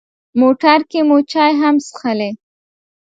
موټر کې مو چای هم څښلې.